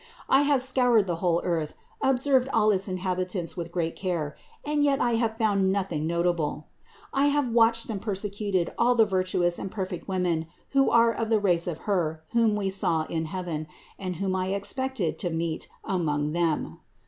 I have scoured the whole earth, observed all its inhabitants with great care, and yet I have found nothing notable. I have watched and persecuted all the virtuous and perfect women who are of the race of Her whom we saw in heaven, and whom I expected to meet among them.